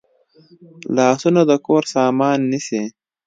لاسونه د کور سامان نیسي